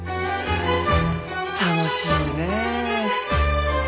楽しいねえ。